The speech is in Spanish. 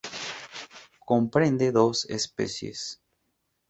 Comprende dos especies.